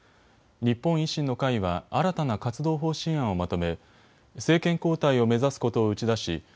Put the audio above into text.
日本維新の会は新たな活動方針案をまとめ政権交代を目指すことを打ち出し